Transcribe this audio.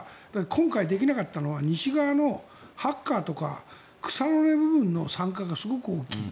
今回できなかったのは西側のハッカーとか草の根部分の参加がすごく大きい。